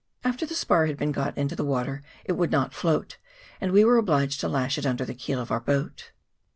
After the spar had been got into the water it would not float, and we were obliged to lash it under the keel of our boat.